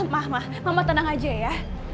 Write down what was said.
ma'am mama tenang aja ya